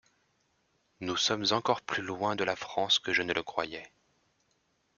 Nous sommes encore plus loin de la France que je ne le croyais.